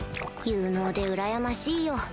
有能でうらやましいよ